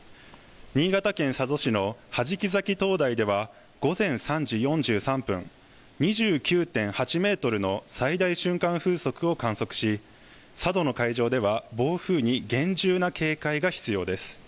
新潟県佐渡市の弾崎灯台では午前３時４３分、２９．８メートルの最大瞬間風速を観測し、佐渡の海上では暴風に厳重な警戒が必要です。